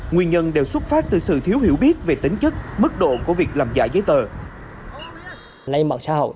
nguyên nhân đều xuất phát từ sự thiếu hiểu biết về tính chất mức độ của việc làm giả giấy tờ